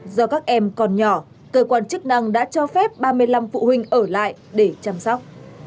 do các em còn nhỏ cơ quan chức năng đã cho phép ba mươi năm phụ huynh ở lại để chăm sóc